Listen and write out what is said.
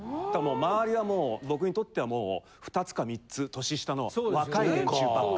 まわりはもう僕にとってはもう２つか３つ年下の若い連中ばっかりで。